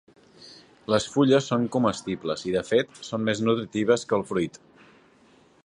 Les fulles són comestibles i, de fet, són més nutritives que el fruit.